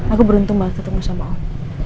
aku beruntung banget ketemu sama om